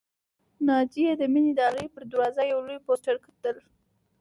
ناجیه د مينې د آلمارۍ پر دروازه یو لوی پوسټر کتل